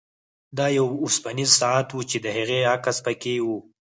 دا یو اوسپنیز ساعت و چې د هغې عکس پکې و